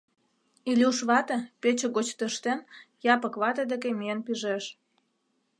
Илюш вате, пече гоч тӧрштен, Япык вате деке миен пижеш.